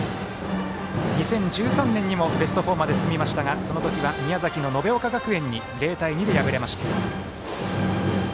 ２０１３年にもベスト４まで進みましたがその時は、宮崎の延岡学園に０対２で敗れました。